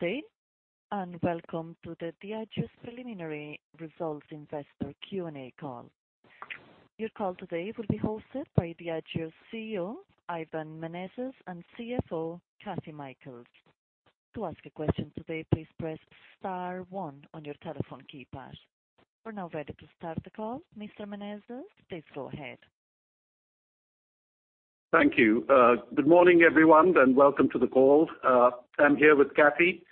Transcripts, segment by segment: Today, welcome to the Diageo's preliminary results investor Q&A call. Your call today will be hosted by Diageo's CEO, Ivan Menezes, and CFO, Kathryn Mikells. To ask a question today, please press star one on your telephone keypad. We're now ready to start the call. Mr. Menezes, please go ahead. Thank you. Good morning, everyone, welcome to the call. I'm here with Kathy.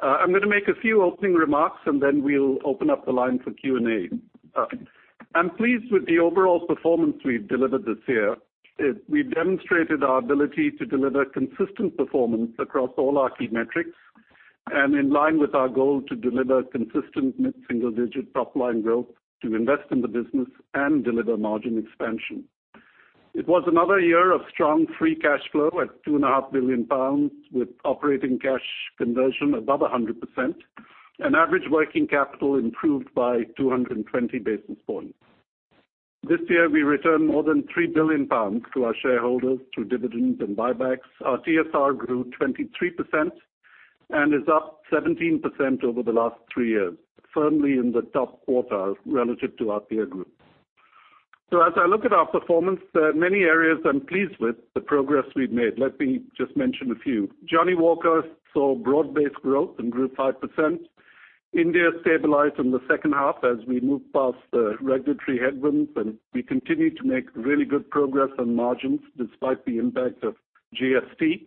I'm going to make a few opening remarks, then we'll open up the line for Q&A. I'm pleased with the overall performance we've delivered this year. We've demonstrated our ability to deliver consistent performance across all our key metrics, in line with our goal to deliver consistent mid-single digit top-line growth to invest in the business and deliver margin expansion. It was another year of strong free cash flow at 2.5 billion pounds, with operating cash conversion above 100%, and average working capital improved by 220 basis points. This year, we returned more than 3 billion pounds to our shareholders through dividends and buybacks. Our CSR grew 23%, is up 17% over the last three years, firmly in the top quarter relative to our peer group. As I look at our performance, there are many areas I'm pleased with the progress we've made. Let me just mention a few. Johnnie Walker saw broad-based growth and grew 5%. India stabilized in the second half as we moved past the regulatory headwinds, we continued to make really good progress on margins despite the impact of GST.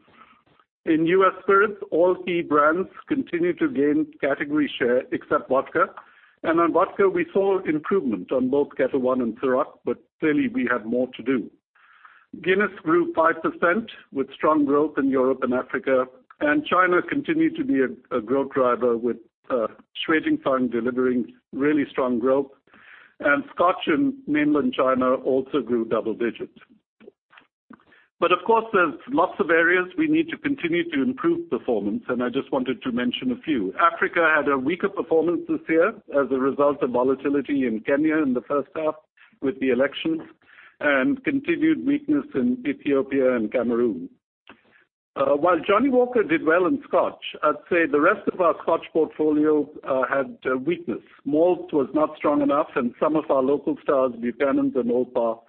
In U.S. Spirits, all key brands continued to gain category share except vodka. On vodka, we saw improvement on both Ketel One and Cîroc, but clearly we have more to do. Guinness grew 5% with strong growth in Europe and Africa, China continued to be a growth driver with Shui Jing Fang delivering really strong growth. Scotch in Mainland China also grew double digits. Of course, there's lots of areas we need to continue to improve performance, I just wanted to mention a few. Africa had a weaker performance this year as a result of volatility in Kenya in the first half with the elections, continued weakness in Ethiopia and Cameroon. While Johnnie Walker did well in Scotch, I'd say the rest of our Scotch portfolio had weakness. Malt was not strong enough, some of our local stars, Buchanan's and Old Parr,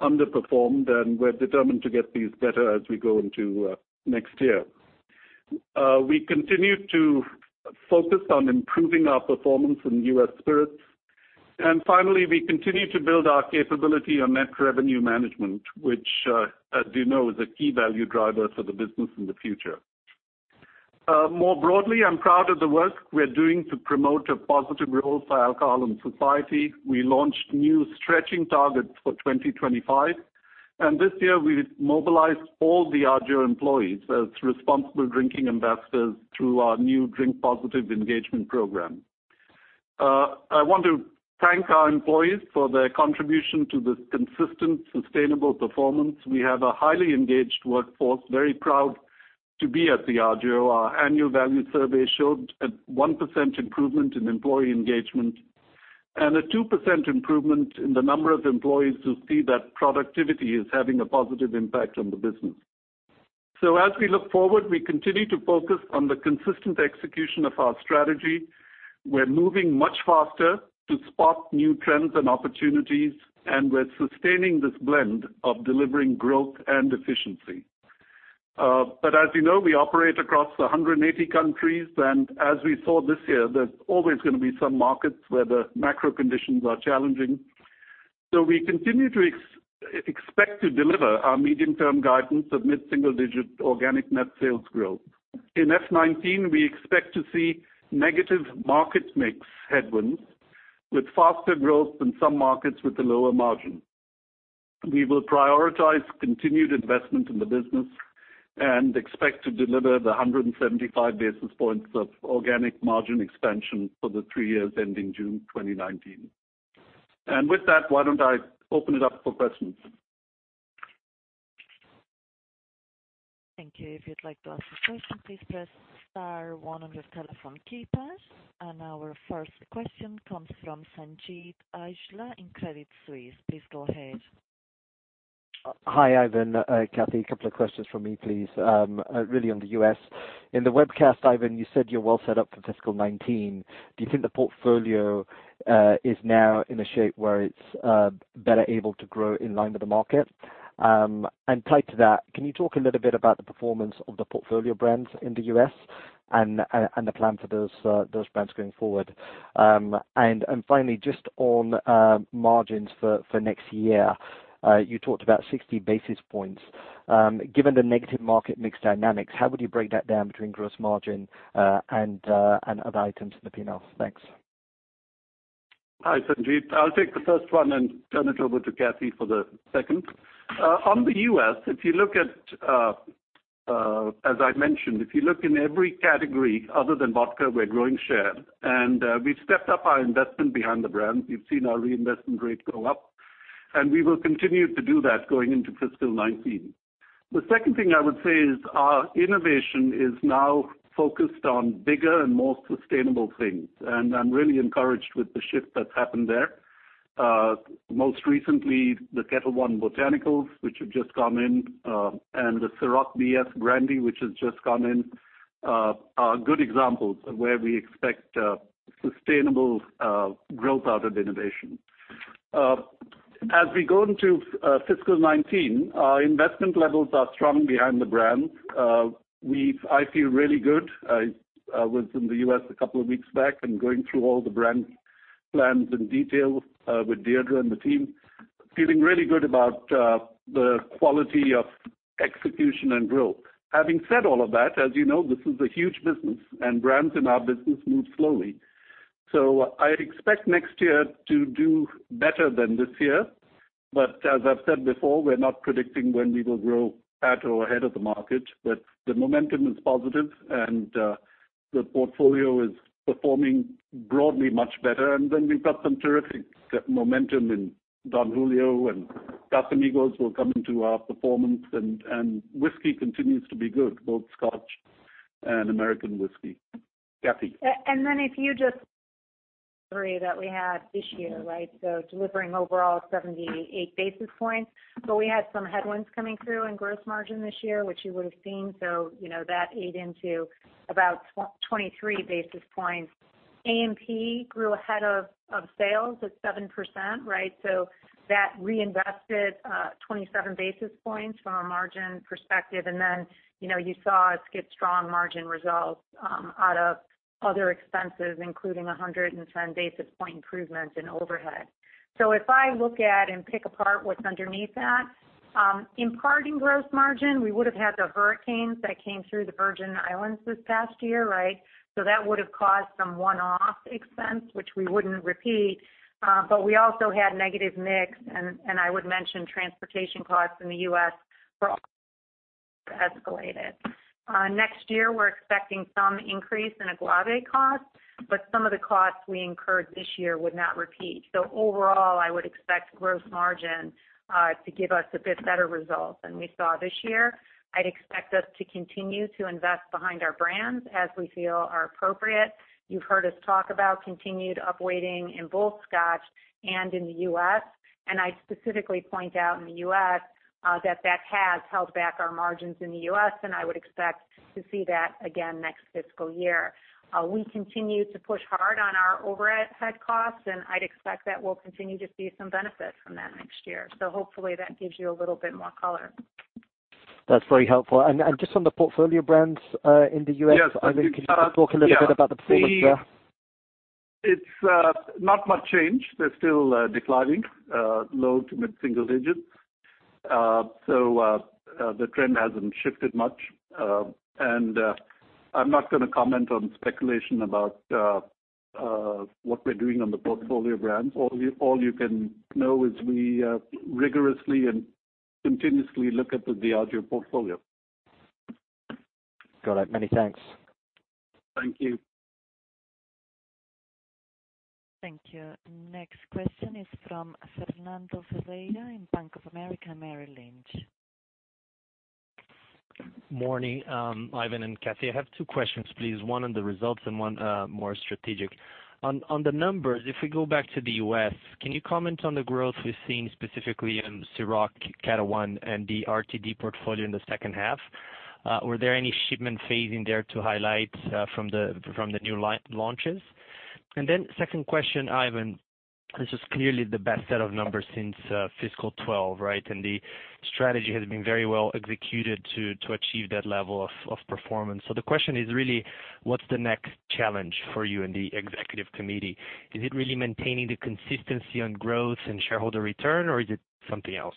underperformed, we're determined to get these better as we go into next year. We continued to focus on improving our performance in U.S. Spirits. Finally, we continued to build our capability on net revenue management, which, as you know, is a key value driver for the business in the future. More broadly, I'm proud of the work we're doing to promote a positive role for alcohol in society. We launched new stretching targets for 2025. This year we've mobilized all Diageo employees as responsible drinking ambassadors through our new Drink Positive engagement program. I want to thank our employees for their contribution to this consistent sustainable performance. We have a highly engaged workforce, very proud to be at Diageo. Our annual value survey showed a 1% improvement in employee engagement and a 2% improvement in the number of employees who see that productivity is having a positive impact on the business. As we look forward, we continue to focus on the consistent execution of our strategy. We're moving much faster to spot new trends and opportunities, and we're sustaining this blend of delivering growth and efficiency. As you know, we operate across 180 countries, and as we saw this year, there's always going to be some markets where the macro conditions are challenging. We continue to expect to deliver our medium-term guidance of mid-single digit organic net sales growth. In FY 2019, we expect to see negative market mix headwinds with faster growth in some markets with a lower margin. We will prioritize continued investment in the business and expect to deliver the 175 basis points of organic margin expansion for the three years ending June 2019. With that, why don't I open it up for questions? Thank you. If you'd like to ask a question, please press star one on your telephone keypad. Our first question comes from Sanjeet Aujla in Credit Suisse. Please go ahead. Hi, Ivan, Kathy. A couple of questions from me, please. Really on the U.S. In the webcast, Ivan, you said you're well set up for FY 2019. Do you think the portfolio is now in a shape where it's better able to grow in line with the market? Tied to that, can you talk a little bit about the performance of the portfolio brands in the U.S., and the plan for those brands going forward? Finally, just on margins for next year. You talked about 60 basis points. Given the negative market mix dynamics, how would you break that down between gross margin and other items in the P&L? Thanks. Hi, Sanjeet. I'll take the first one and turn it over to Kathy for the second. On the U.S., as I've mentioned, if you look in every category other than vodka, we're growing share, and we've stepped up our investment behind the brands. We've seen our reinvestment rate go up, and we will continue to do that going into fiscal 2019. The second thing I would say is our innovation is now focused on bigger and more sustainable things, and I'm really encouraged with the shift that's happened there. Most recently, the Ketel One Botanical, which have just come in, and the Cîroc VS Brandy, which has just come in, are good examples of where we expect sustainable growth out of innovation. As we go into fiscal 2019, our investment levels are strong behind the brands. I feel really good. I was in the U.S. a couple of weeks back and going through all the brand plans and details with Deirdre and the team. Feeling really good about the quality of execution and growth. Having said all of that, as you know, this is a huge business, and brands in our business move slowly. I expect next year to do better than this year. As I've said before, we're not predicting when we will grow at or ahead of the market. The momentum is positive, and the portfolio is performing broadly much better. We've got some terrific momentum in Don Julio, and Casamigos will come into our performance, and whiskey continues to be good, both Scotch and American whiskey. Kathy? If you just agree that we had this year, right? Delivering overall 78 basis points. We had some headwinds coming through in gross margin this year, which you would've seen. That ate into about 23 basis points. A&P grew ahead of sales at 7%, right? That reinvested 27 basis points from a margin perspective. You saw us get strong margin results out of other expenses, including 110 basis point improvements in overhead. If I look at and pick apart what's underneath that, in parting gross margin, we would've had the hurricanes that came through the Virgin Islands this past year, right? That would've caused some one-off expense, which we wouldn't repeat. We also had negative mix, and I would mention transportation costs in the U.S. were escalated. Next year, we're expecting some increase in agave cost, some of the costs we incurred this year would not repeat. Overall, I would expect gross margin to give us a bit better result than we saw this year. I'd expect us to continue to invest behind our brands as we feel are appropriate. You've heard us talk about continued upweighting in both Scotch and in the U.S. I specifically point out in the U.S., that that has held back our margins in the U.S., and I would expect to see that again next fiscal year. We continue to push hard on our overhead costs, I'd expect that we'll continue to see some benefit from that next year. Hopefully that gives you a little bit more color. That's very helpful. Just on the portfolio brands, in the U.S.- Yes. Ivan, can you just talk a little bit about the performance there? It's not much change. They're still declining, low to mid-single digits. The trend hasn't shifted much. I'm not going to comment on speculation about what we're doing on the portfolio brands. All you can know is we rigorously and continuously look at the Diageo portfolio. Got it. Many thanks. Thank you. Thank you. Question is from Fernando Ferreira in Bank of America Merrill Lynch. Morning, Ivan and Kathy. I have two questions, please. One on the results and one more strategic. On the numbers, if we go back to the U.S., can you comment on the growth we've seen specifically in Cîroc, Ketel One, and the RTD portfolio in the second half? Were there any shipment phasing there to highlight from the new launches? Second question, Ivan. This is clearly the best set of numbers since fiscal 2012, right? The strategy has been very well executed to achieve that level of performance. The question is really, what's the next challenge for you and the executive committee? Is it really maintaining the consistency on growth and shareholder return, or is it something else?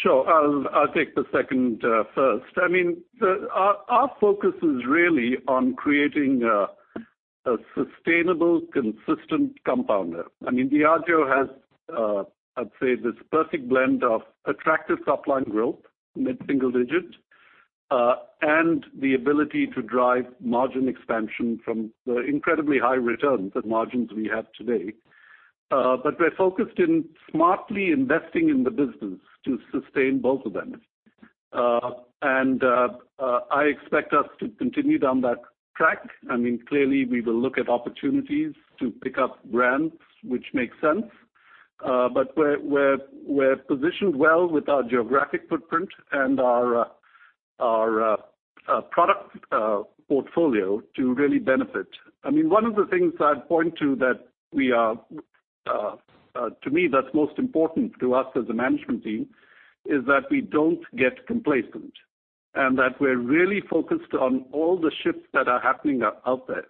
Sure. I'll take the second first. Our focus is really on creating a sustainable, consistent compounder. Diageo has, I'd say, this perfect blend of attractive top-line growth, mid-single digit, and the ability to drive margin expansion from the incredibly high returns and margins we have today. We're focused in smartly investing in the business to sustain both of them. I expect us to continue down that track. Clearly, we will look at opportunities to pick up brands which make sense. We're positioned well with our geographic footprint and our product portfolio to really benefit. One of the things I'd point to that, to me, that's most important to us as a management team is that we don't get complacent. That we're really focused on all the shifts that are happening out there.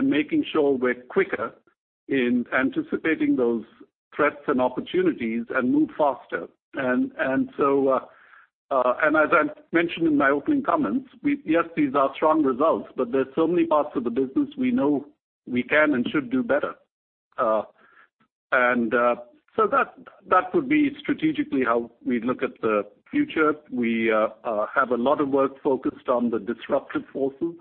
Making sure we're quicker in anticipating those threats and opportunities, and move faster. As I mentioned in my opening comments, yes, these are strong results, but there's so many parts of the business we know we can and should do better. That would be strategically how we look at the future. We have a lot of work focused on the disruptive forces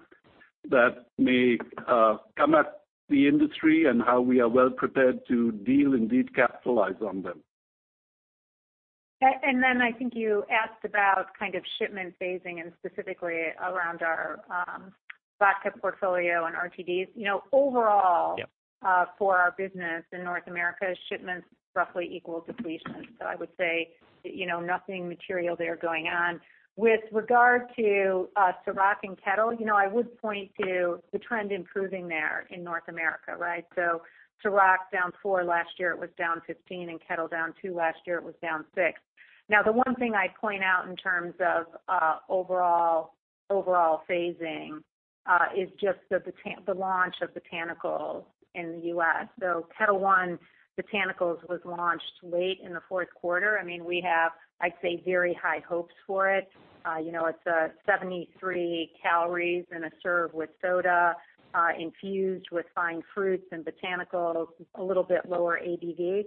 that may come at the industry and how we are well prepared to deal and indeed capitalize on them. I think you asked about kind of shipment phasing and specifically around our vodka portfolio and RTDs. Overall. Yeah For our business in North America, shipments roughly equal depletions. I would say, nothing material there going on. With regard to Cîroc and Ketel, I would point to the trend improving there in North America, right? Cîroc down four, last year it was down 15, and Ketel down two, last year it was down six. The one thing I'd point out in terms of overall phasing, is just the launch of Ketel One Botanical in the U.S. Ketel One Botanical was launched late in the fourth quarter. We have, I'd say, very high hopes for it. It's 73 calories in a serve with soda, infused with fine fruits and botanicals, a little bit lower ABV.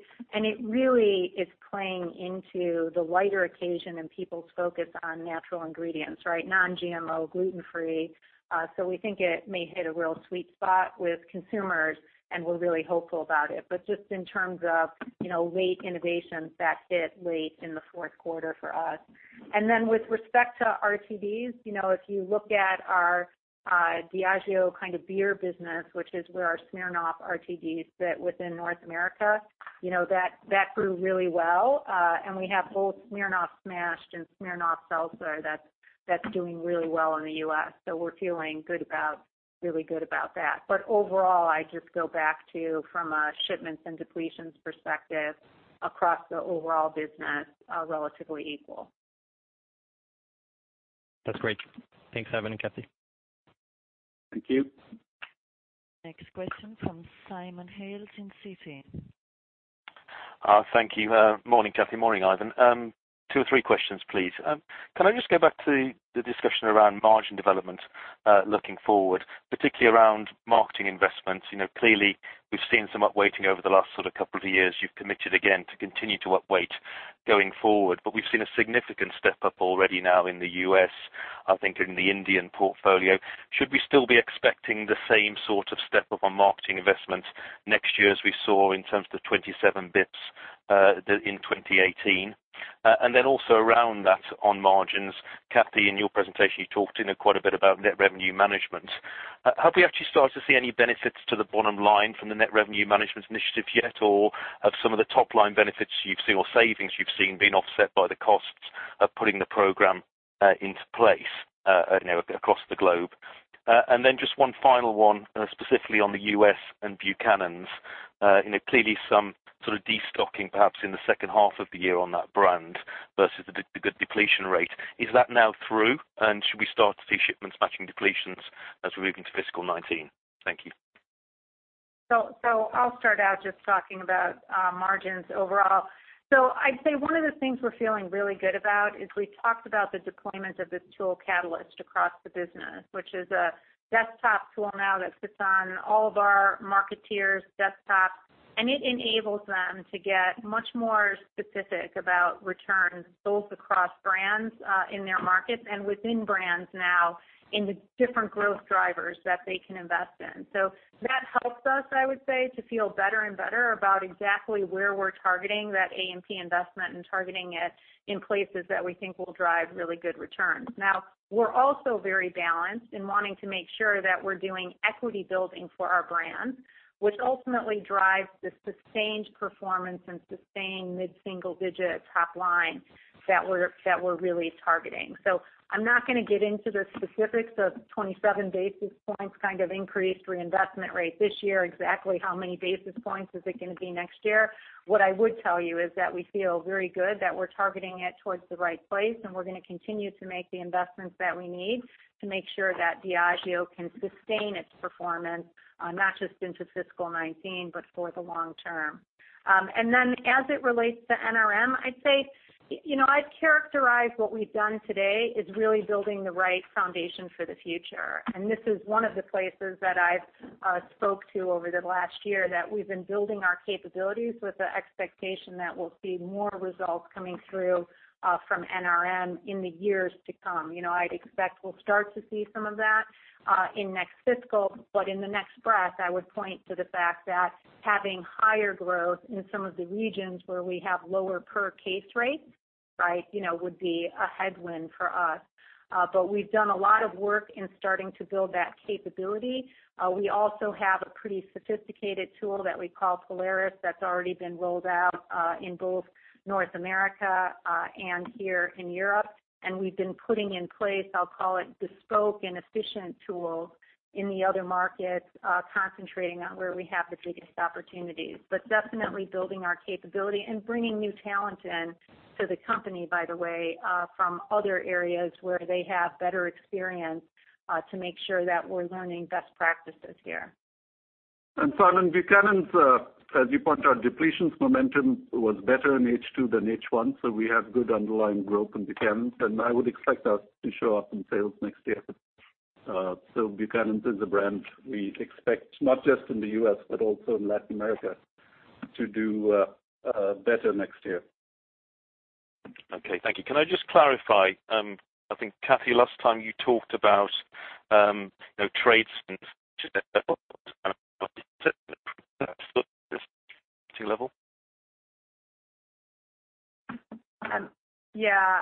It really is playing into the lighter occasion and people's focus on natural ingredients, right? Non-GMO, gluten-free. We think it may hit a real sweet spot with consumers, and we're really hopeful about it. Just in terms of late innovations, that hit late in the fourth quarter for us. With respect to RTDs, if you look at our Diageo kind of beer business, which is where our Smirnoff RTDs sit within North America, that grew really well. We have both Smirnoff Ice Smash and Smirnoff Spiked Sparkling Seltzer that's doing really well in the U.S., we're feeling really good about that. Overall, I just go back to, from a shipments and depletions perspective, across the overall business, are relatively equal. That's great. Thanks, Ivan and Kathy. Thank you. Next question from Simon Hales in Citi. Thank you. Morning, Kathy. Morning, Ivan. Two or three questions, please. Can I just go back to the discussion around margin development looking forward, particularly around marketing investments? Clearly, we've seen some upweighting over the last sort of couple of years. You've committed again to continue to upweight going forward, but we've seen a significant step-up already now in the U.S., I think in the Indian portfolio. Should we still be expecting the same sort of step-up on marketing investments next year as we saw in terms of the 27 basis points in 2018? Then also around that, on margins, Kathy, in your presentation, you talked quite a bit about net revenue management. Have we actually started to see any benefits to the bottom line from the net revenue management initiative yet? Have some of the top-line benefits you've seen or savings you've seen been offset by the costs of putting the program into place across the globe? Then just one final one, specifically on the U.S. and Buchanan's. Clearly, some sort of destocking perhaps in the second half of the year on that brand versus the good depletion rate. Is that now through, and should we start to see shipments matching depletions as we move into fiscal 2019? Thank you. I'll start out just talking about margins overall. I'd say one of the things we're feeling really good about is we talked about the deployment of this tool, Catalyst, across the business, which is a desktop tool now that sits on all of our marketeers' desktops, and it enables them to get much more specific about returns, both across brands in their markets and within brands now in the different growth drivers that they can invest in. That helps us, I would say, to feel better and better about exactly where we're targeting that A&P investment and targeting it in places that we think will drive really good returns. We're also very balanced in wanting to make sure that we're doing equity building for our brands, which ultimately drives the sustained performance and sustained mid-single digit top line that we're really targeting. I'm not going to get into the specifics of 27 basis points kind of increased reinvestment rate this year, exactly how many basis points is it going to be next year. What I would tell you is that we feel very good that we're targeting it towards the right place, and we're going to continue to make the investments that we need to make sure that Diageo can sustain its performance, not just into fiscal 2019, but for the long term. As it relates to NRM, I'd say, I'd characterize what we've done today as really building the right foundation for the future. This is one of the places that I've spoke to over the last year, that we've been building our capabilities with the expectation that we'll see more results coming through from NRM in the years to come. I'd expect we'll start to see some of that in next fiscal, in the next breath, I would point to the fact that having higher growth in some of the regions where we have lower per case rates would be a headwind for us. We've done a lot of work in starting to build that capability. We also have a pretty sophisticated tool that we call Polaris that's already been rolled out in both North America and here in Europe. We've been putting in place, I'll call it bespoke and efficient tools in the other markets, concentrating on where we have the biggest opportunities. Definitely building our capability and bringing new talent in to the company, by the way, from other areas where they have better experience, to make sure that we're learning best practices here. Simon, Buchanan's, as you point out, depletions momentum was better in H2 than H1. We have good underlying growth in Buchanan's, I would expect that to show up in sales next year. Buchanan's is a brand we expect, not just in the U.S., but also in Latin America, to do better next year. Okay. Thank you. Can I just clarify? I think, Kathy, last time you talked about trades and Still just T level? Yeah.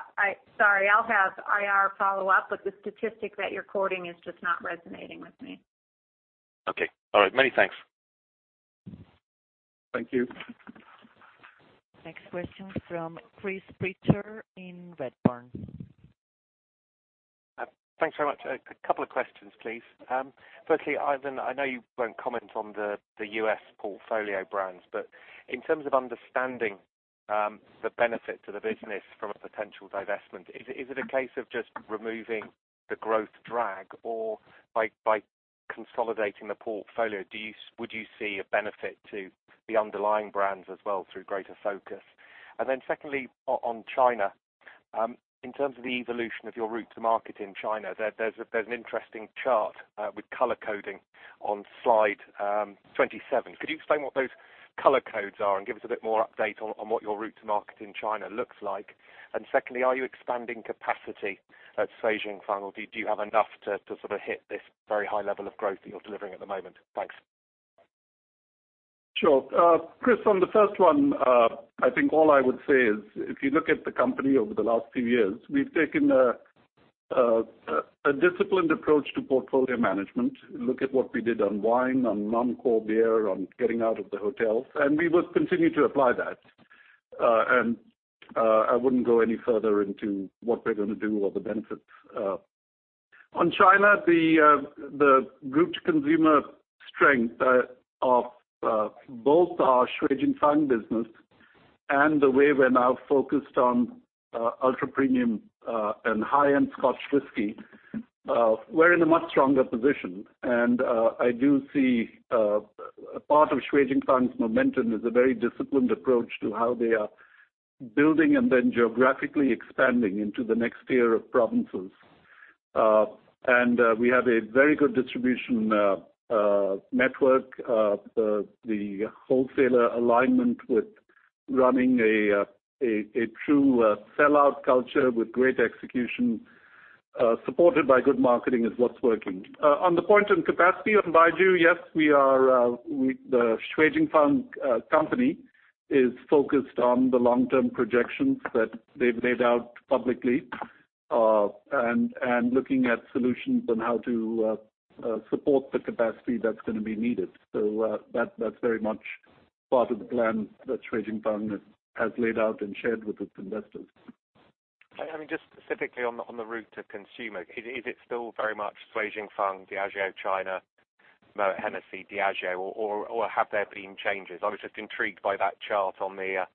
Sorry, I'll have IR follow up. The statistic that you're quoting is just not resonating with me. Okay. All right, many thanks. Thank you. Next question from Chris Pitcher in Redburn. Thanks very much. A couple of questions, please. Firstly, Ivan, I know you won't comment on the U.S. portfolio brands, but in terms of understanding the benefit to the business from a potential divestment, is it a case of just removing the growth drag or by consolidating the portfolio, would you see a benefit to the underlying brands as well through greater focus? Then secondly, on China, in terms of the evolution of your route to market in China, there's an interesting chart with color coding on slide 27. Could you explain what those color codes are and give us a bit more update on what your route to market in China looks like? Secondly, are you expanding capacity at Shui Jing Fang, or do you have enough to sort of hit this very high level of growth that you're delivering at the moment? Thanks. Sure. Chris, on the first one, I think all I would say is, if you look at the company over the last few years, we've taken a disciplined approach to portfolio management. Look at what we did on wine, on non-core beer, on getting out of the hotels, and we will continue to apply that. I wouldn't go any further into what we're going to do or the benefits. On China, the route to consumer strength of both our Shui Jing Fang business and the way we're now focused on ultra premium and high-end Scotch whisky. We're in a much stronger position, and I do see a part of Shui Jing Fang's momentum is a very disciplined approach to how they are building and then geographically expanding into the next tier of provinces. We have a very good distribution network. The wholesaler alignment with running a true sellout culture with great execution, supported by good marketing is what's working. On the point on capacity on Baijiu, yes, the Shui Jing Fang company is focused on the long-term projections that they've laid out publicly, and looking at solutions on how to support the capacity that's going to be needed. That's very much part of the plan that Shui Jing Fang has laid out and shared with its investors. Just specifically on the route to consumer, is it still very much Shui Jing Fang, Diageo China, Moët Hennessy Diageo, or have there been changes? I was just intrigued by that chart on the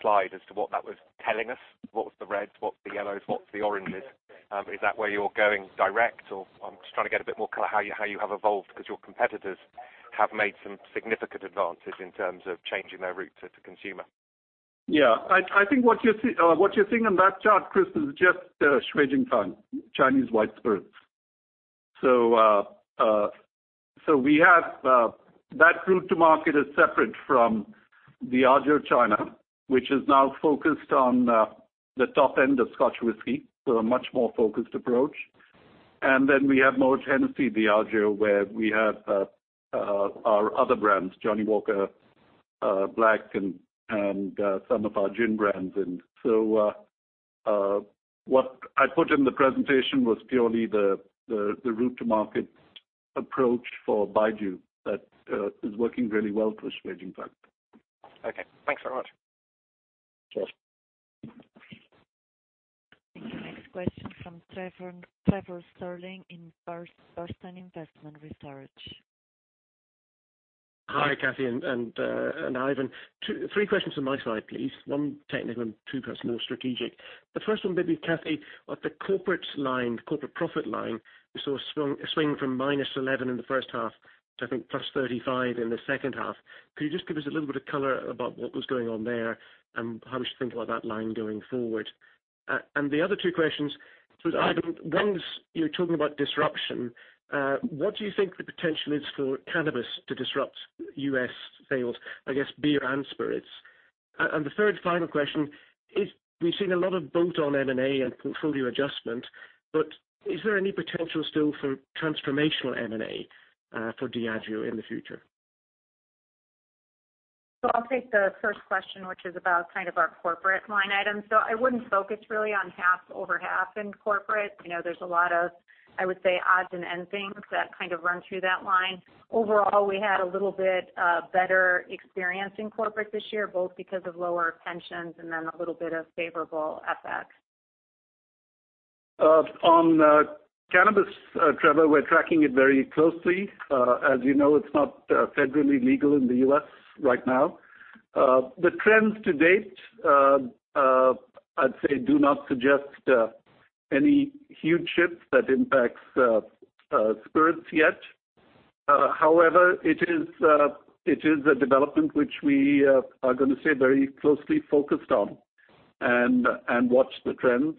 slide as to what that was telling us. What was the reds, what was the yellows, what was the oranges? Is that where you're going direct, or I'm just trying to get a bit more kind of how you have evolved because your competitors have made some significant advances in terms of changing their route to consumer. Yeah. I think what you're seeing on that chart, Chris, is just Shui Jing Fang, Chinese white spirits. We have that route to market is separate from Diageo China, which is now focused on the top end of Scotch whisky, so a much more focused approach. We have Moët Hennessy Diageo, where we have our other brands, Johnnie Walker Black and some of our gin brands. What I put in the presentation was purely the route to market approach for Baijiu that is working really well for Shui Jing Fang. Okay. Thanks very much. Sure. Thank you. Next question from Trevor Stirling in Bernstein Research. Hi, Kathy and Ivan. Three questions on my side, please. One technical and two perhaps more strategic. The first one maybe Kathy, on the corporate line, corporate profit line, we saw a swing from -11 in the first half to I think +35 in the second half. Could you just give us a little bit of color about what was going on there and how we should think about that line going forward? The other two questions, Ivan, one is, you were talking about disruption. What do you think the potential is for cannabis to disrupt U.S. sales, I guess beer and spirits? The third final question is, we've seen a lot of bolt-on M&A and portfolio adjustment, but is there any potential still for transformational M&A for Diageo in the future? I'll take the first question, which is about kind of our corporate line item. I wouldn't focus really on half over half in corporate. There's a lot of, I would say, odds and ending that kind of run through that line. Overall, we had a little bit better experience in corporate this year, both because of lower pensions and then a little bit of favorable FX. On cannabis, Trevor, we are tracking it very closely. As you know, it is not federally legal in the U.S. right now. The trends to date, I would say do not suggest any huge shift that impacts spirits yet. However, it is a development which we are going to stay very closely focused on and watch the trends.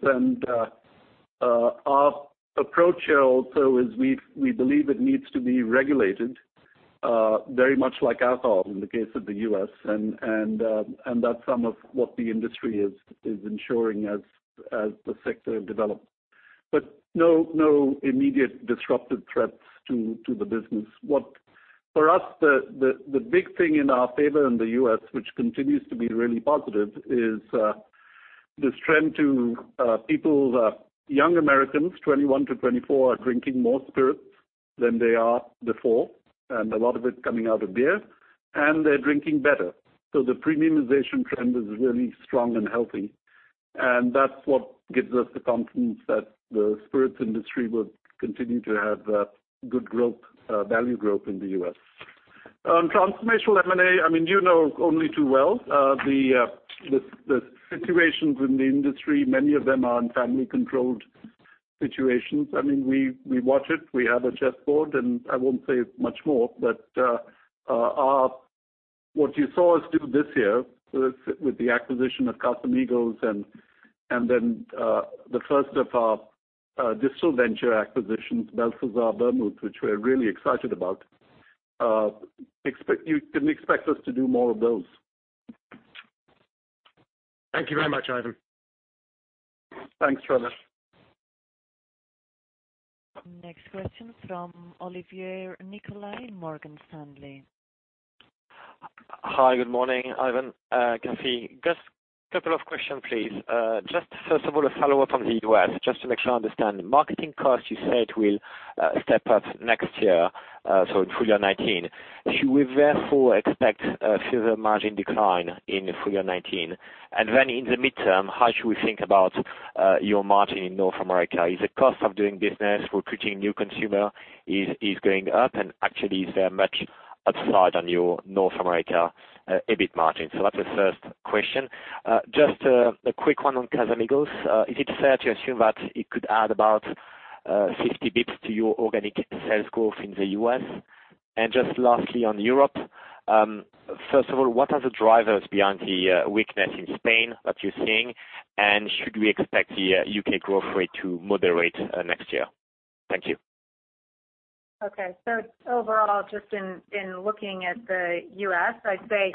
Our approach here also is we believe it needs to be regulated, very much like alcohol in the case of the U.S., and that is some of what the industry is ensuring as the sector develops. No immediate disruptive threats to the business. For us, the big thing in our favor in the U.S., which continues to be really positive, is this trend to young Americans, 21-24, are drinking more spirits than they are before, and a lot of it is coming out of beer, and they are drinking better. The premiumization trend is really strong and healthy, and that is what gives us the confidence that the spirits industry will continue to have good value growth in the U.S. On transformational M&A, you know only too well, the situations in the industry, many of them are in family-controlled situations. We watch it. We have a chessboard, I will not say much more, but what you saw us do this year with the acquisition of Casamigos and then the first of our distilled venture acquisitions, Belsazar Vermouth, which we are really excited about. You can expect us to do more of those. Thank you very much, Ivan. Thanks, Trevor. Next question from Olivier Nicolai, Morgan Stanley. Hi, good morning, Ivan, Kathy. Just a couple of questions, please. First of all, a follow-up on the U.S., just to make sure I understand. Marketing costs, you said will step up next year, so in full year 2019. Should we therefore expect a further margin decline in full year 2019? Then in the midterm, how should we think about your margin in North America? Is the cost of doing business, recruiting new consumer is going up, and actually is there much upside on your North America EBIT margin? That's the first question. Just a quick one on Casamigos. Is it fair to assume that it could add about 50 basis points to your organic sales growth in the U.S.? Just lastly, on Europe, first of all, what are the drivers behind the weakness in Spain that you're seeing? Should we expect the U.K. growth rate to moderate next year? Thank you. Okay. Overall, just in looking at the U.S., I'd say,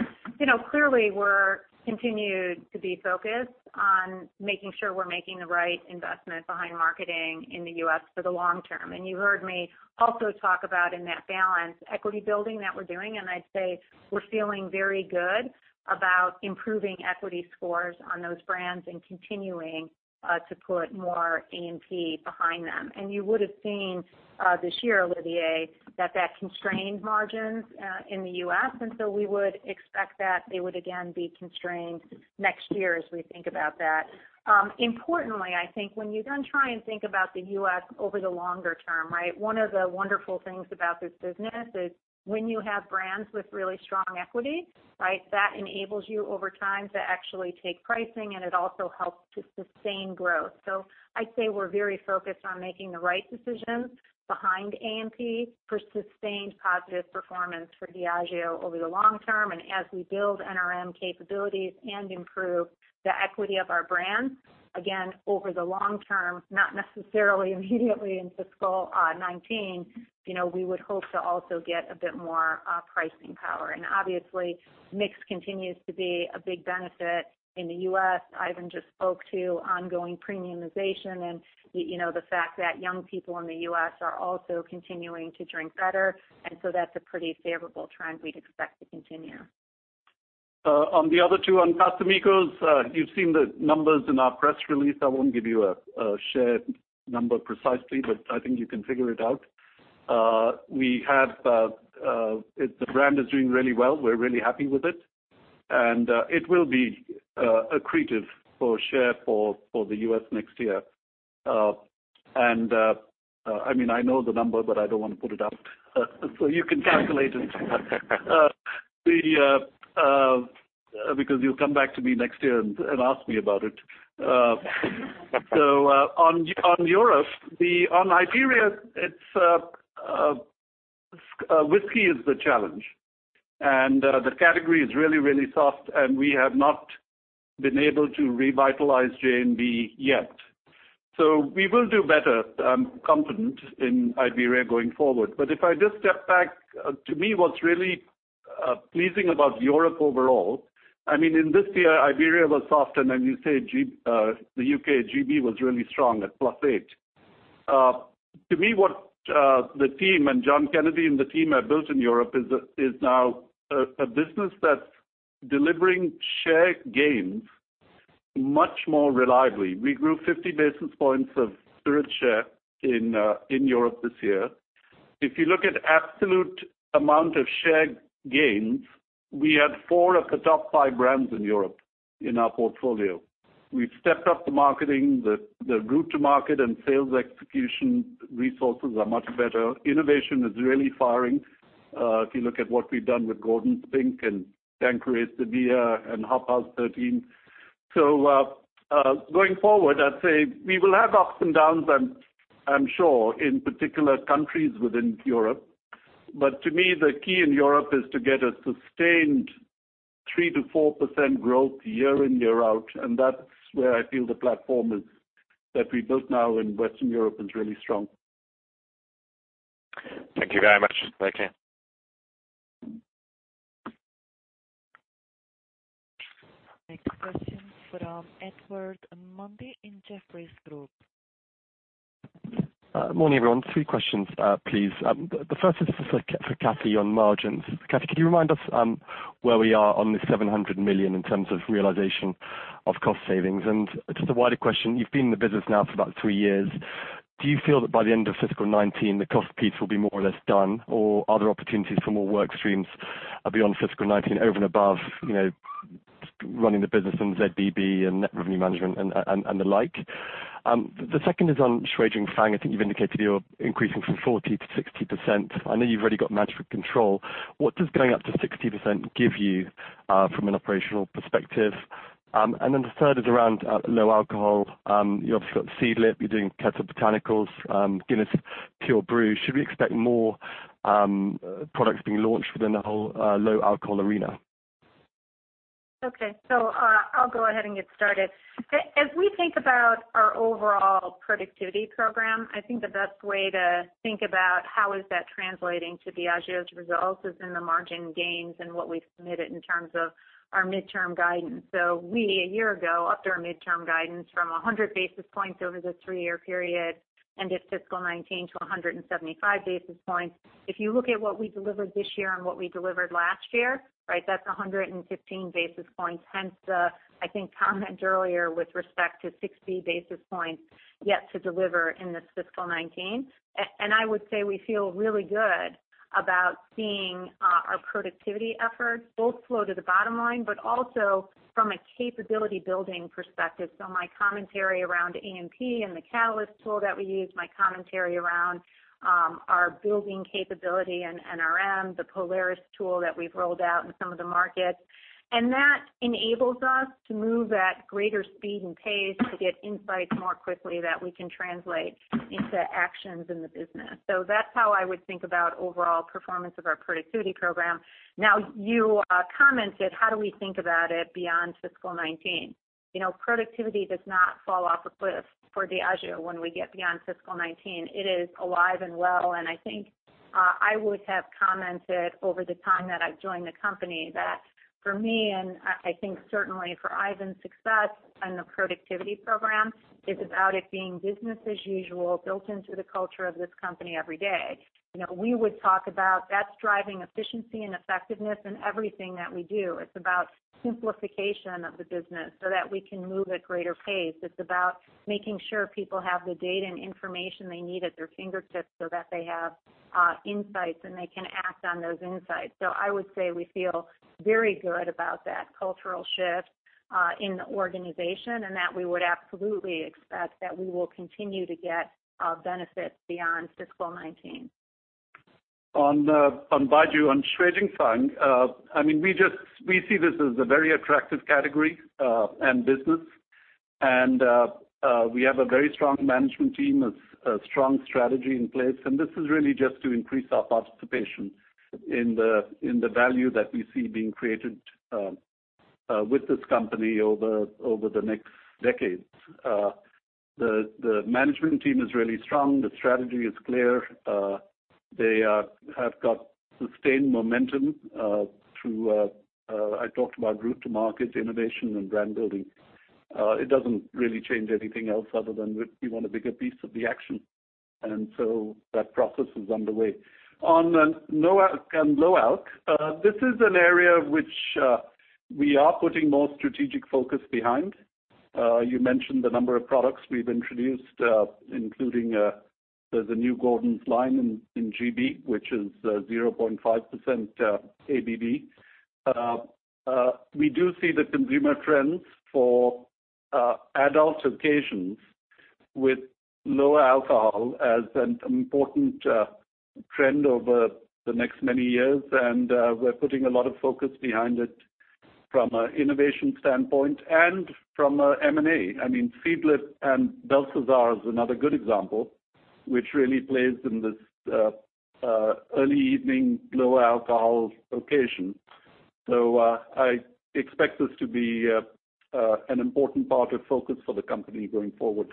clearly we're continued to be focused on making sure we're making the right investment behind marketing in the U.S. for the long term. You heard me also talk about in that balance, equity building that we're doing, and I'd say we're feeling very good about improving equity scores on those brands and continuing to put more A&P behind them. You would've seen this year, Olivier, that that constrained margins in the U.S., and so we would expect that they would again be constrained next year as we think about that. Importantly, when you try and think about the U.S. over the longer term, one of the wonderful things about this business is when you have brands with really strong equity, that enables you over time to actually take pricing, and it also helps to sustain growth. We're very focused on making the right decisions behind A&P for sustained positive performance for Diageo over the long term. As we build NRM capabilities and improve the equity of our brands, again, over the long term, not necessarily immediately in FY 2019, we would hope to also get a bit more pricing power. Mix continues to be a big benefit in the U.S. Ivan just spoke to ongoing premiumization, the fact that young people in the U.S. are also continuing to drink better, that's a pretty favorable trend we'd expect to continue. On the other two, on Casamigos, you've seen the numbers in our press release. I won't give you a shared number precisely, but I think you can figure it out. The brand is doing really well. We're really happy with it. It will be accretive for share for the U.S. next year. I know the number, but I don't want to put it out. You can calculate it. Because you'll come back to me next year and ask me about it. On Europe, on Iberia, whiskey is the challenge. The category is really, really soft, we have not been able to revitalize J&B yet. We will do better, I'm confident in Iberia going forward. If I just step back, to me, what's really pleasing about Europe overall, in this year, Iberia was soft, then you say the U.K., GB was really strong at +8. To me, what the team, and John Kennedy and the team have built in Europe is now a business that's delivering shared gains much more reliably. We grew 50 basis points of spirit share in Europe this year. If you look at absolute amount of shared gains, we had four of the top five brands in Europe in our portfolio. We've stepped up the marketing. The go-to market and sales execution resources are much better. Innovation is really firing. If you look at what we've done with Gordon's Pink and Tanqueray Sevilla, and Hop House 13. Going forward, I'd say we will have ups and downs, I'm sure, in particular countries within Europe. To me, the key in Europe is to get a sustained 3%-4% growth year in, year out, and that's where I feel the platform that we built now in Western Europe is really strong. Thank you very much. Bye-bye. Next question from Ed Mundy in Jefferies Group. Morning, everyone. Three questions, please. The first is for Kathy on margins. Kathy, can you remind us where we are on this 700 million in terms of realization of cost savings? And just a wider question, you've been in the business now for about three years. Do you feel that by the end of fiscal 2019, the cost piece will be more or less done? Or are there opportunities for more work streams beyond fiscal 2019, over and above running the business in ZBB and net revenue management and the like? The second is on Shui Jing Fang. I think you've indicated you're increasing from 40%-60%. I know you've already got management control. What does going up to 60% give you, from an operational perspective? And then the third is around low alcohol. You've obviously got Seedlip. You're doing Ketel One Botanical, Guinness Pure Brew. Should we expect more products being launched within the whole low alcohol arena? I'll go ahead and get started. As we think about our overall productivity program, I think the best way to think about how is that translating to Diageo's results is in the margin gains and what we've submitted in terms of our midterm guidance. We, a year ago, upped our midterm guidance from 100 basis points over the three-year period and into fiscal 2019 to 175 basis points. If you look at what we delivered this year and what we delivered last year, that's 115 basis points, hence the, I think, comment earlier with respect to 60 basis points yet to deliver in this fiscal 2019. I would say we feel really good about seeing our productivity efforts both flow to the bottom line, but also from a capability building perspective. My commentary around A&P and the Catalyst tool that we use, my commentary around our building capability and NRM, the Polaris tool that we've rolled out in some of the markets. That enables us to move at greater speed and pace to get insights more quickly that we can translate into actions in the business. That's how I would think about overall performance of our productivity program. Now, you commented, how do we think about it beyond fiscal 2019? Productivity does not fall off a cliff for Diageo when we get beyond fiscal 2019. It is alive and well, I think I would have commented over the time that I've joined the company that for me, and I think certainly for Ivan's success on the productivity program, is about it being business as usual, built into the culture of this company every day. We would talk about that's driving efficiency and effectiveness in everything that we do. It's about simplification of the business so that we can move at greater pace. It's about making sure people have the data and information they need at their fingertips so that they have insights, and they can act on those insights. I would say we feel very good about that cultural shift in the organization, and that we would absolutely expect that we will continue to get benefits beyond fiscal 2019. Baijiu, on Shui Jing Fang, we see this as a very attractive category, and business. We have a very strong management team, a strong strategy in place, and this is really just to increase our participation in the value that we see being created with this company over the next decade. The management team is really strong. The strategy is clear. They have got sustained momentum through, I talked about route to market, innovation, and brand building. It doesn't really change anything else other than we want a bigger piece of the action. That process is underway. On low alc, this is an area which we are putting more strategic focus behind. You mentioned the number of products we've introduced, including, there's a new Gordon's line in G.B., which is 0.5% ABV. We do see the consumer trends for adult occasions with low alcohol as an important trend over the next many years, we're putting a lot of focus behind it from an innovation standpoint and from an M&A. Seedlip and Belsazar is another good example, which really plays in this early evening, low alcohol occasion. I expect this to be an important part of focus for the company going forward.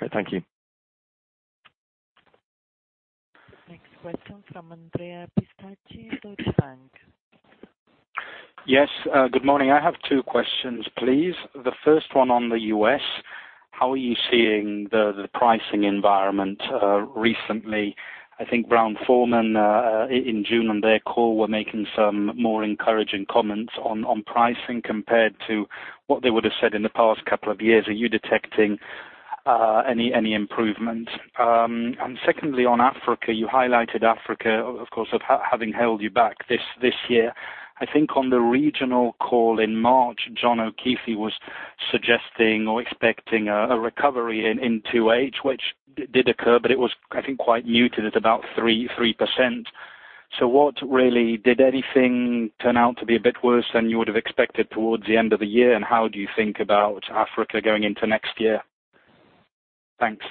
Okay, thank you. Next question from Andrea Pistacchi, Deutsche Bank. Yes, good morning. I have two questions, please. The first one on the U.S. How are you seeing the pricing environment recently? I think Brown-Forman, in June on their call, were making some more encouraging comments on pricing compared to what they would've said in the past couple of years. Are you detecting any improvement? Secondly, on Africa, you highlighted Africa, of course, of having held you back this year. I think on the regional call in March, John O'Keeffe was suggesting or expecting a recovery in 2H, which did occur, but it was, I think, quite muted at about 3%. What really, did anything turn out to be a bit worse than you would've expected towards the end of the year, and how do you think about Africa going into next year? Thanks.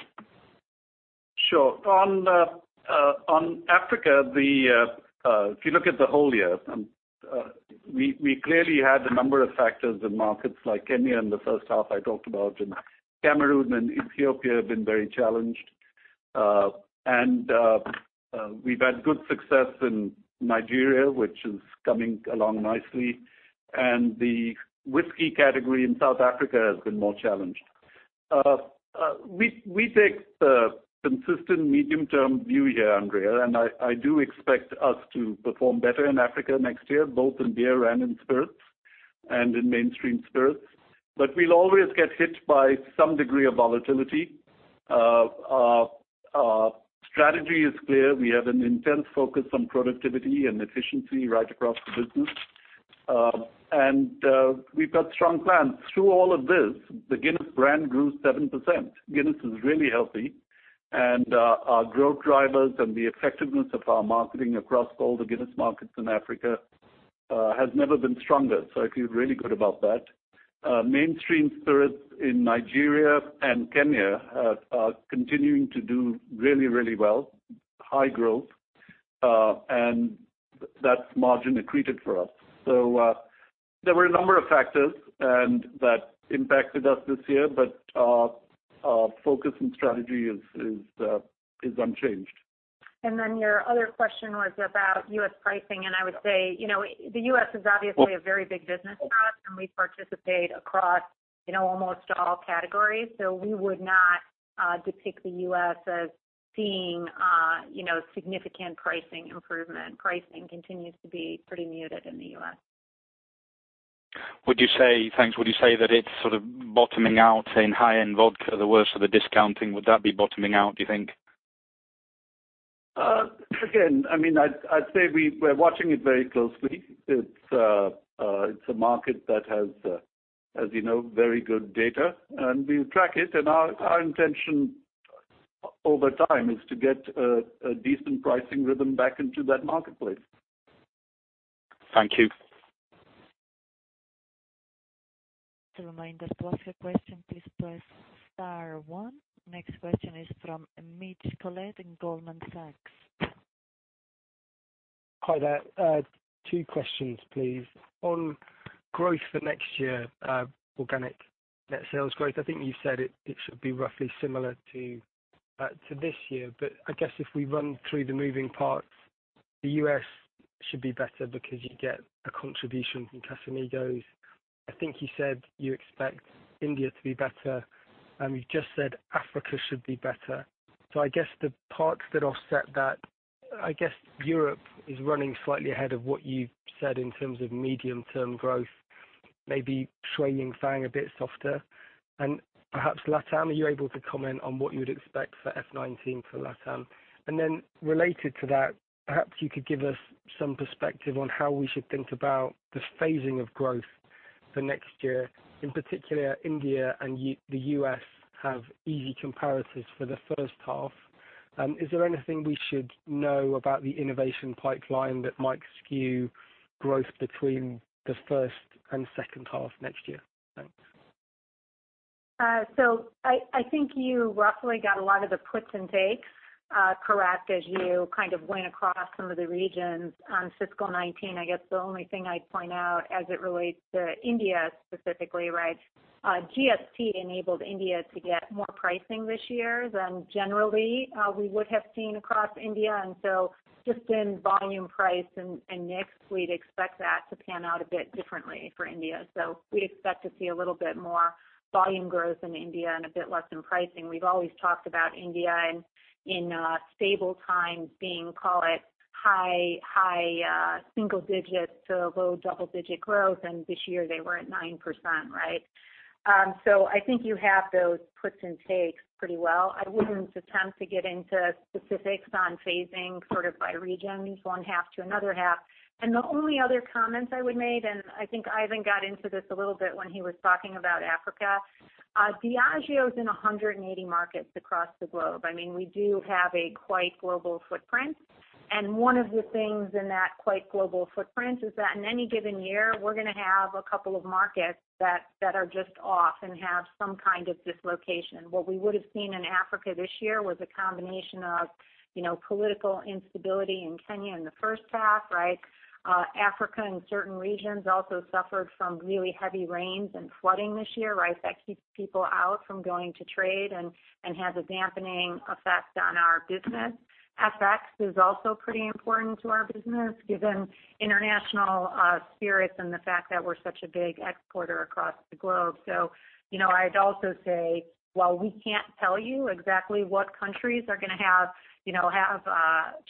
Sure. On Africa, if you look at the whole year, we clearly had a number of factors in markets like Kenya in the first half I talked about, and Cameroon and Ethiopia have been very challenged. We've had good success in Nigeria, which is coming along nicely. The whiskey category in South Africa has been more challenged. We take the consistent medium-term view here, Andrea, and I do expect us to perform better in Africa next year, both in beer and in spirits, and in mainstream spirits. We'll always get hit by some degree of volatility. Our strategy is clear. We have an intense focus on productivity and efficiency right across the business. We've got strong plans. Through all of this, the Guinness brand grew 7%. Guinness is really healthy, and our growth drivers and the effectiveness of our marketing across all the Guinness markets in Africa has never been stronger. I feel really good about that. Mainstream spirits in Nigeria and Kenya are continuing to do really well, high growth. That's margin accreted for us. There were a number of factors, and that impacted us this year, but our focus and strategy is unchanged. Your other question was about U.S. pricing, and I would say, the U.S. is obviously a very big business for us, and we participate across almost all categories. We would not depict the U.S. as seeing significant pricing improvement. Pricing continues to be pretty muted in the U.S. Thanks. Would you say that it's sort of bottoming out in high-end vodka, the worst of the discounting, would that be bottoming out, do you think? Again, I'd say we're watching it very closely. It's a market that has very good data, and we track it, and our intention over time is to get a decent pricing rhythm back into that marketplace. Thank you. A reminder, to ask a question, please press star one. Next question is from Mitch Collett in Goldman Sachs. Hi there. Two questions, please. On growth for next year, organic net sales growth. I think you said it should be roughly similar to this year. I guess if we run through the moving parts, the U.S. should be better because you get a contribution from Casamigos. I think you said you expect India to be better, and you just said Africa should be better. I guess the parts that offset that, I guess Europe is running slightly ahead of what you said in terms of medium-term growth, maybe Shui Jing Fang a bit softer. Perhaps LatAm, are you able to comment on what you would expect for FY 2019 for LatAm? Related to that, perhaps you could give us some perspective on how we should think about the phasing of growth for next year. In particular, India and the U.S. have easy comparisons for the first half. Is there anything we should know about the innovation pipeline that might skew growth between the first and second half next year? Thanks. I think you roughly got a lot of the puts and takes correct as you kind of went across some of the regions on fiscal 2019. I guess the only thing I'd point out as it relates to India specifically, GST enabled India to get more pricing this year than generally we would have seen across India. Just in volume price and mix, we'd expect that to pan out a bit differently for India. We expect to see a little bit more volume growth in India and a bit less in pricing. We've always talked about India in stable times being, call it, high single digits to low double-digit growth, and this year they were at 9%. I think you have those puts and takes pretty well. I wouldn't attempt to get into specifics on phasing by regions, one half to another half. The only other comments I would make, I think Ivan got into this a little bit when he was talking about Africa. Diageo's in 180 markets across the globe. We do have a quite global footprint. One of the things in that quite global footprint is that in any given year, we're going to have a couple of markets that are just off and have some kind of dislocation. What we would've seen in Africa this year was a combination of political instability in Kenya in the first half. Africa in certain regions also suffered from really heavy rains and flooding this year. That keeps people out from going to trade and has a dampening effect on our business. FX is also pretty important to our business, given international spirits and the fact that we're such a big exporter across the globe. I'd also say, while we can't tell you exactly what countries are going to have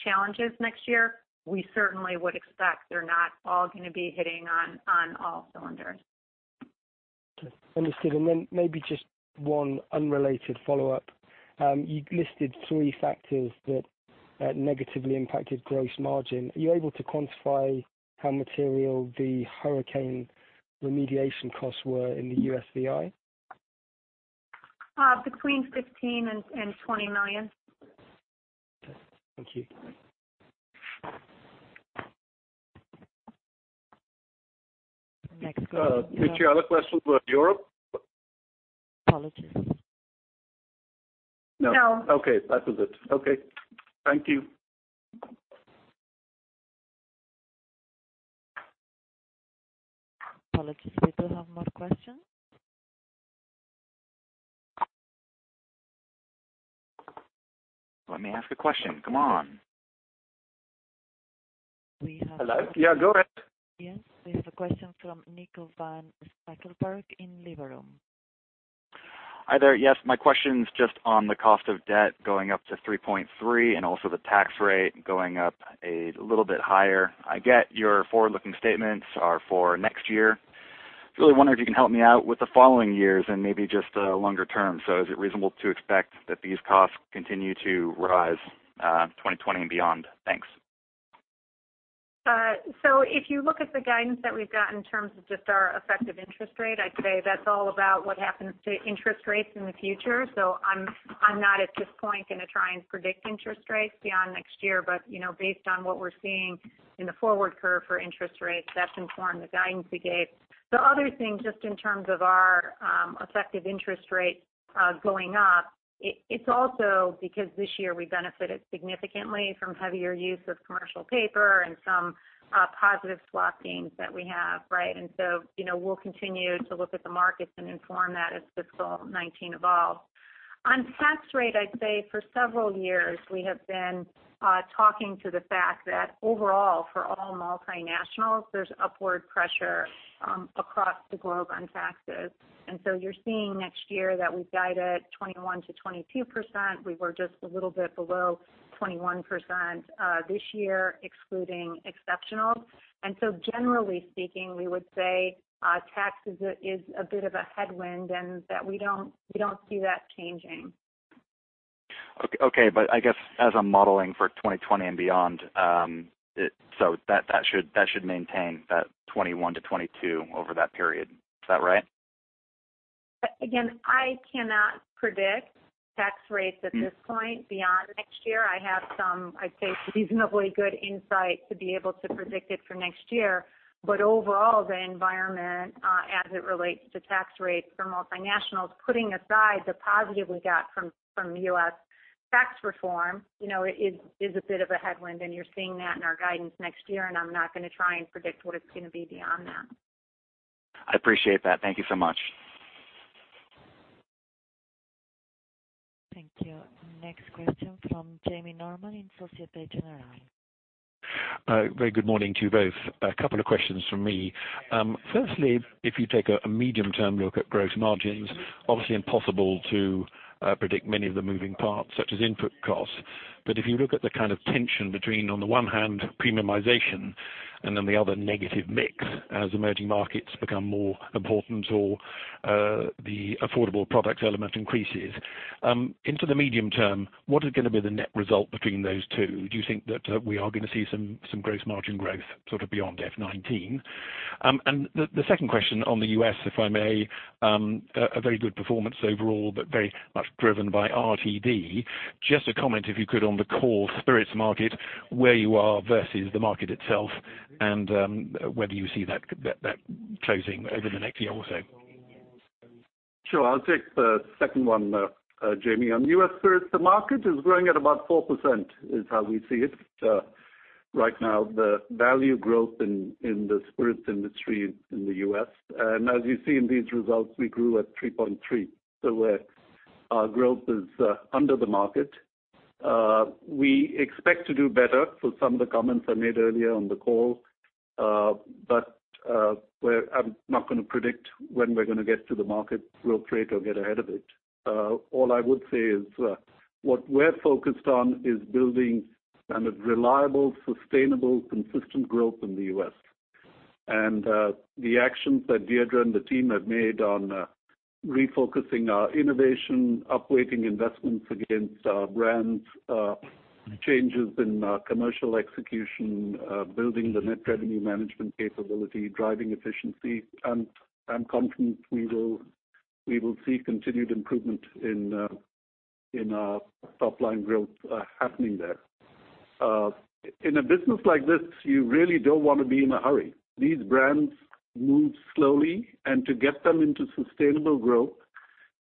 challenges next year, we certainly would expect they're not all going to be hitting on all cylinders. Understood. Maybe just one unrelated follow-up. You listed three factors that negatively impacted gross margin. Are you able to quantify how material the hurricane remediation costs were in the USVI? Between 15 million and 20 million. Okay. Thank you. Next question. Mitch, I have a question about Europe. Apologies. No. Okay. That was it. Okay. Thank you. We do have more questions. Let me ask a question. Come on. We have Hello? Yeah, go ahead. Yes. We have a question from Nico van Zyl in Liberum. Hi there. Yes, my question's just on the cost of debt going up to 3.3% and also the tax rate going up a little bit higher. I get your forward-looking statements are for next year. Just really wondering if you can help me out with the following years and maybe just the longer term. Is it reasonable to expect that these costs continue to rise 2020 and beyond? Thanks. If you look at the guidance that we've got in terms of just our effective interest rate, I'd say that's all about what happens to interest rates in the future. I'm not at this point going to try and predict interest rates beyond next year. Based on what we're seeing in the forward curve for interest rates, that's informed the guidance we gave. The other thing, just in terms of our effective interest rates going up, it's also because this year we benefited significantly from heavier use of commercial paper and some positive swap gains that we have, right? We'll continue to look at the markets and inform that as fiscal 2019 evolves. On tax rate, I'd say for several years, we have been talking to the fact that overall, for all multinationals, there's upward pressure across the globe on taxes. You're seeing next year that we've guided 21%-22%. We were just a little bit below 21% this year, excluding exceptionals. Generally speaking, we would say tax is a bit of a headwind and that we don't see that changing. Okay. I guess as I'm modeling for 2020 and beyond, that should maintain that 21%-22% over that period. Is that right? I cannot predict tax rates at this point beyond next year. I have some, I'd say, reasonably good insight to be able to predict it for next year. Overall, the environment, as it relates to tax rates for multinationals, putting aside the positive we got from U.S. tax reform, is a bit of a headwind, and you're seeing that in our guidance next year, and I'm not going to try and predict what it's going to be beyond that. I appreciate that. Thank you so much. Thank you. Next question from Jamie Norman in SocGen. Very good morning to you both. A couple of questions from me. Firstly, if you take a medium-term look at gross margins, obviously impossible to predict many of the moving parts, such as input costs. If you look at the kind of tension between, on the one hand, premiumization and then the other negative mix as emerging markets become more important or the affordable products element increases. Into the medium term, what is going to be the net result between those two? Do you think that we are going to see some gross margin growth beyond FY 2019? The second question on the U.S., if I may, a very good performance overall, but very much driven by RTD. Just a comment, if you could, on the core spirits market, where you are versus the market itself, and whether you see that closing over the next year or so. Sure. I'll take the second one, Jamie. On U.S. spirits, the market is growing at about 4%, is how we see it right now, the value growth in the spirits industry in the U.S. As you see in these results, we grew at 3.3%. Our growth is under the market. We expect to do better for some of the comments I made earlier on the call. I'm not going to predict when we're going to get to the market, we'll create or get ahead of it. All I would say is what we're focused on is building a reliable, sustainable, consistent growth in the U.S. The actions that Deirdre and the team have made on refocusing our innovation, upweighting investments against our brands, changes in commercial execution, building the net revenue management capability, driving efficiency. I'm confident we will see continued improvement in top-line growth happening there. In a business like this, you really don't want to be in a hurry. These brands move slowly, and to get them into sustainable growth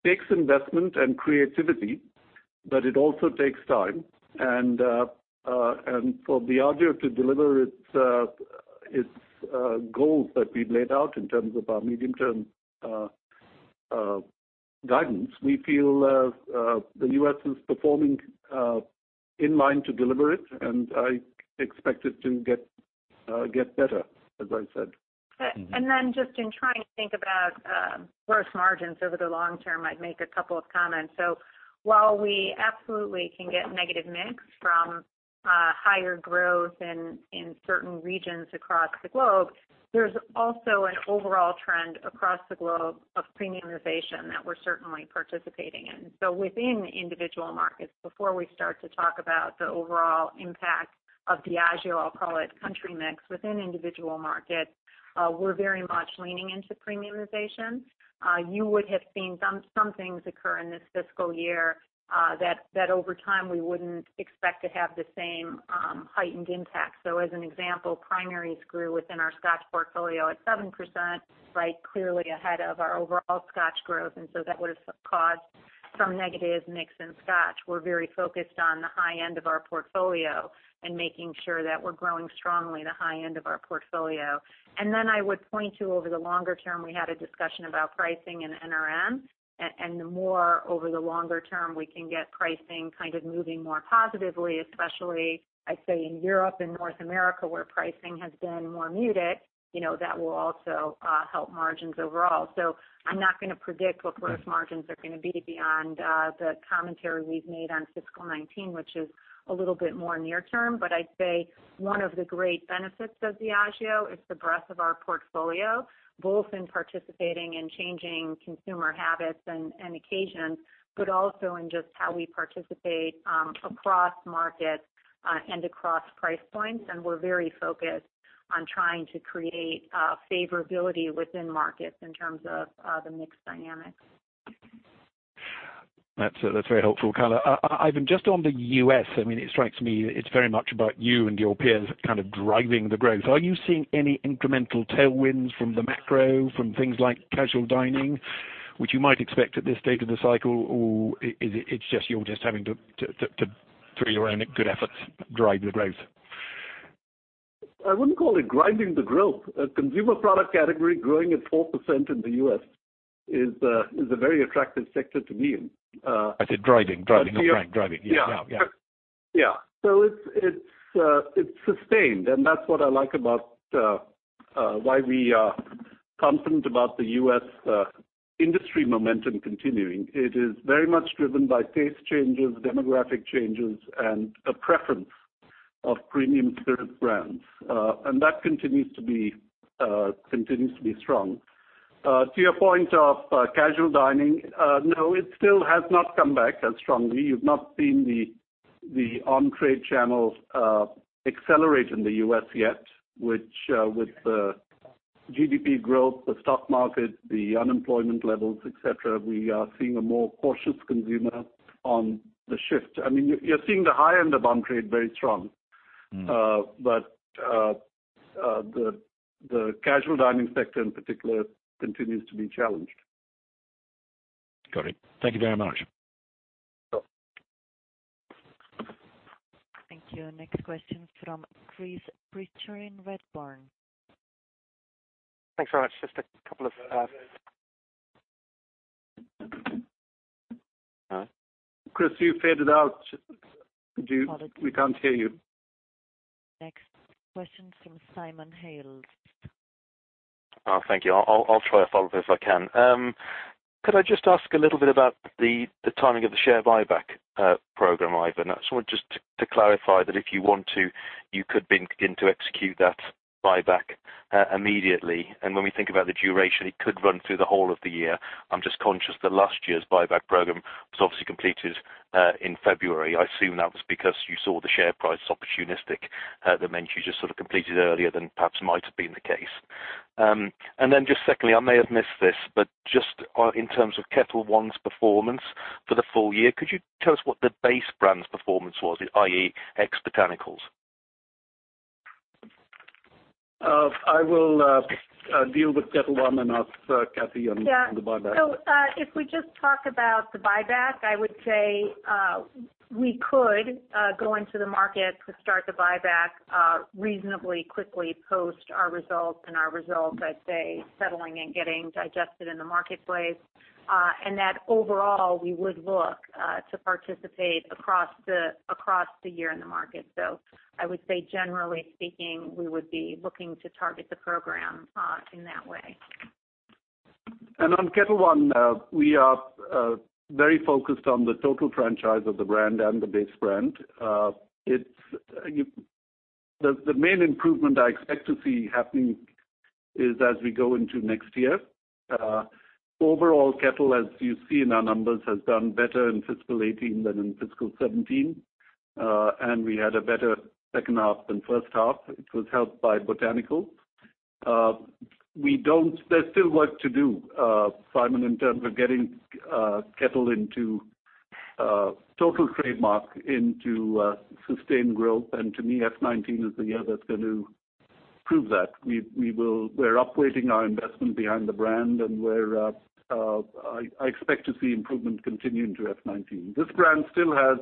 takes investment and creativity, but it also takes time. For Diageo to deliver its goals that we've laid out in terms of our medium-term guidance, we feel the U.S. is performing in line to deliver it, and I expect it to get better, as I said. Just in trying to think about gross margins over the long term, I'd make a couple of comments. While we absolutely can get negative mix from higher growth in certain regions across the globe, there's also an overall trend across the globe of premiumization that we're certainly participating in. Within individual markets, before we start to talk about the overall impact of Diageo, I'll call it country mix within individual markets, we're very much leaning into premiumization. You would have seen some things occur in this fiscal year that over time, we wouldn't expect to have the same heightened impact. As an example, primaries grew within our Scotch portfolio at 7%, right? Clearly ahead of our overall Scotch growth, that would have caused from negative mix and Scotch. We're very focused on the high end of our portfolio and making sure that we're growing strongly the high end of our portfolio. I would point to, over the longer term, we had a discussion about pricing and NRM, the more, over the longer term, we can get pricing kind of moving more positively, especially, I'd say, in Europe and North America, where pricing has been more muted, that will also help margins overall. I'm not going to predict what gross margins are going to be beyond the commentary we've made on fiscal 2019, which is a little bit more near term. I'd say one of the great benefits of Diageo is the breadth of our portfolio, both in participating in changing consumer habits and occasions, but also in just how we participate across markets and across price points. We're very focused on trying to create favorability within markets in terms of the mix dynamics. That's very helpful, color. Ivan, just on the U.S., it strikes me it's very much about you and your peers kind of driving the growth. Are you seeing any incremental tailwinds from the macro, from things like casual dining, which you might expect at this stage of the cycle, or it's just you're just having to, through your own good efforts, drive the growth? I wouldn't call it driving the growth. A consumer product category growing at 4% in the U.S. is a very attractive sector to be in. I said driving, not grind. Driving. Yeah. It's sustained, and that's what I like about why we are confident about the U.S. industry momentum continuing. It is very much driven by taste changes, demographic changes, and a preference of premium spirits brands. That continues to be strong. To your point of casual dining, no, it still has not come back as strongly. You've not seen the on-trade channels accelerate in the U.S. yet, which with the GDP growth, the stock market, the unemployment levels, et cetera, we are seeing a more cautious consumer on the shift. You're seeing the high end of on-trade very strong. The casual dining sector in particular continues to be challenged. Got it. Thank you very much. Sure. Thank you. Next question from Chris Pitcher in Redburn. Thanks very much. Just a couple of Chris, you faded out. Apologies. We can't hear you. Next question from Simon Hales. Oh, thank you. I'll try a follow-up if I can. Could I just ask a little bit about the timing of the share buyback program, Ivan? I just want to clarify that if you want to, you could begin to execute that buyback immediately. When we think about the duration, it could run through the whole of the year. I'm just conscious that last year's buyback program was obviously completed in February. I assume that was because you saw the share price opportunistic. That meant you just sort of completed it earlier than perhaps might have been the case. Secondly, I may have missed this, but just in terms of Ketel One's performance for the full year, could you tell us what the base brand's performance was, i.e., ex-botanicals? I will deal with Ketel One and ask Kathy on the buyback. If we just talk about the buyback, I would say we could go into the market to start the buyback reasonably quickly post our results and our results, I'd say, settling and getting digested in the marketplace. Overall, we would look to participate across the year in the market. I would say generally speaking, we would be looking to target the program in that way. On Ketel One, we are very focused on the total franchise of the brand and the base brand. The main improvement I expect to see happening is as we go into next year. Overall, Ketel, as you see in our numbers, has done better in fiscal 2018 than in fiscal 2017. We had a better second half than first half, which was helped by botanical. There's still work to do, Simon, in terms of getting Ketel into total trademark, into sustained growth. To me, FY 2019 is the year that's going to prove that. We're upweighting our investment behind the brand, and I expect to see improvement continuing to FY 2019. This brand still has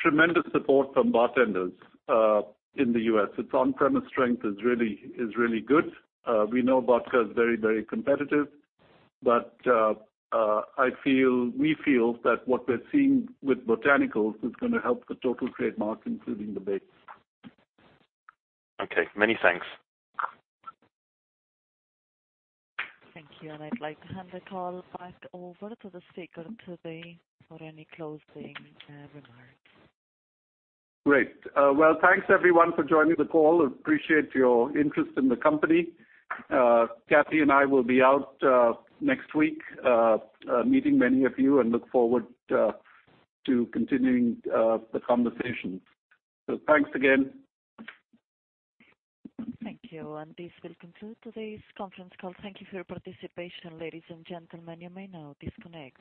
tremendous support from bartenders in the U.S. Its on-premise strength is really good. We know vodka is very, very competitive, but we feel that what we're seeing with botanicals is going to help the total trademark, including the base. Okay. Many thanks. Thank you. I'd like to hand the call back over to the speaker today for any closing remarks. Great. Well, thanks everyone for joining the call. Appreciate your interest in the company. Kathy and I will be out next week, meeting many of you, and look forward to continuing the conversation. Thanks again. Thank you. This will conclude today's conference call. Thank you for your participation, ladies and gentlemen. You may now disconnect.